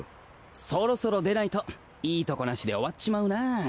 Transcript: そろそろ出ないといいとこなしで終わっちまうなぁ。